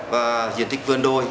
và diện tích vườn đôi